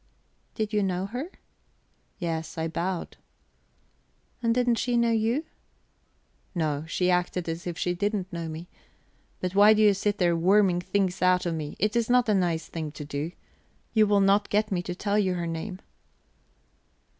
"Did you know her?" "Yes. I bowed." "And didn't she know you?" "No, she acted as if she didn't know me... But why do you sit there worming things out of me? It is not a nice thing to do. You will not get me to tell you her name."